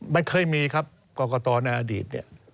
ไม่เคยมีกอกอตรอนาฬิต